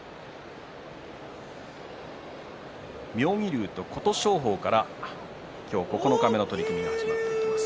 妙義龍と琴勝峰から今日九日目の取組始まります。